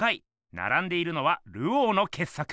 ならんでいるのはルオーのけっ作。